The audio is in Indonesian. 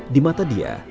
di mata dia